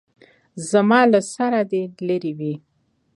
زما له سر نه دې لېرې وي.